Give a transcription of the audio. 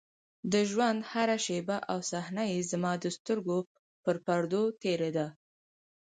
د ژونـد هـره شـيبه او صحـنه يـې زمـا د سـترګو پـر پـردو تېـرېده.